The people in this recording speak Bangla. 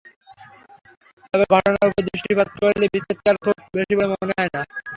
তবে ঘটনার উপর দৃষ্টিপাত করলে বিচ্ছেদকাল খুব বেশি বলে মনে হয় না।